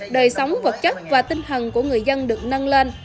đời sống vật chất và tinh thần của người dân được nâng lên